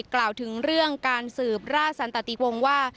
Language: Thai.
กล่าวถึงเรื่องการสืบราชสันตติวงว่า